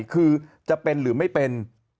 คือจะเป็นหรือไม่เป็น